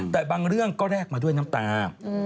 แต่บางเรื่องก็แลกมาด้วยน้ำตา